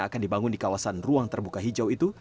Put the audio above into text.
akan dibangun di kawasan ruang terbuka hijau itu